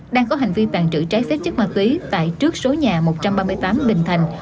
đang có hành vi tàn trữ trái phép chất ma túy tại trước số nhà một trăm ba mươi tám bình thành